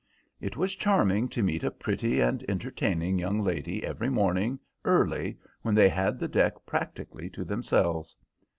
It was charming to meet a pretty and entertaining young lady every morning early when they had the deck practically to themselves.